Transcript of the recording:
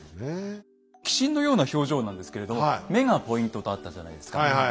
鬼神のような表情なんですけれど目がポイントとあったじゃないですか。